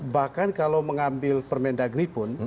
bahkan kalau mengambil permendagri pun